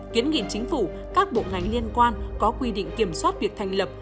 kiến nghị chính phủ các bộ ngành liên quan có quy định kiểm soát việc thành lập